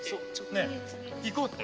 ねえ行こうって！